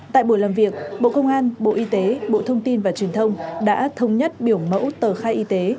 tại buổi làm việc bộ công an bộ y tế bộ thông tin và truyền thông đã thống nhất biểu mẫu tờ khai y tế